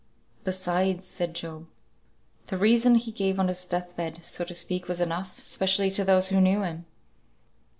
"Besides," said Job, "the reason he gave on his death bed, so to speak, was enough; 'specially to those who knew him."